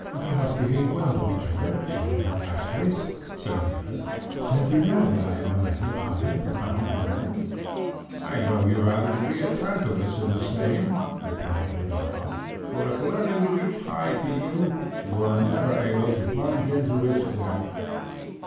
"Let us behave well to each other, Señor Glasscase," said the other, "since you know that I am a man of high and profound learning." "I know you rather to be a Tantalus in the same," replied Rodaja; "for if learning reach high to you, you are never able to plunge into its depths."